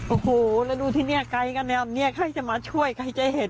โอ้โหแล้วดูที่นี่ไกลกันแนวนี้ใครจะมาช่วยใครจะเห็น